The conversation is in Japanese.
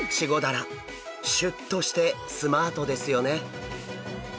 シュッとしてスマートですよね。